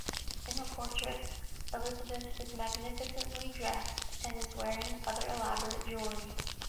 In the portrait Elizabeth is magnificently dressed and is wearing other elaborate jewellery.